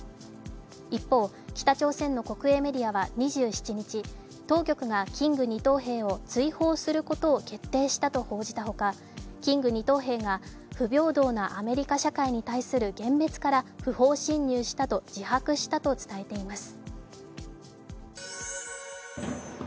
一方、北朝鮮の国営メディアは２７日、当局がキング二等兵を追放することを決定したと報じたほか、キング二等兵が不平等なアメリカ社会に対する幻滅から不法侵入したと自白したと伝えています。